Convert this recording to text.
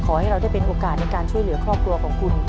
ขอให้เราได้เป็นโอกาสในการช่วยเหลือครอบครัวของคุณ